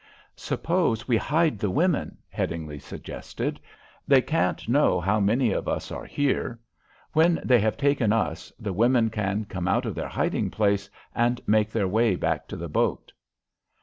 "Suppose we hide the women," Headingly suggested. "They can't know how many of us are here. When they have taken us, the women can come out of their hiding place and make their way back to the boat."